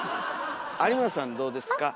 有村さんどうですか？